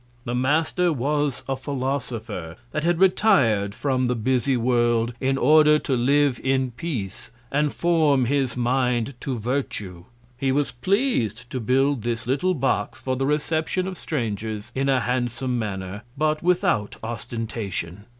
The Master was a Philosopher, that had retir'd from the busy World, in order to live in Peace, and form his Mind to Virtue. He was pleas'd to build this little Box for the Reception of Strangers, in a handsome Manner, but without Ostentation.